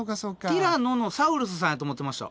ティラノのサウルスさんやと思ってました。